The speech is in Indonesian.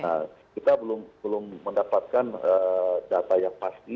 nah kita belum mendapatkan data yang pasti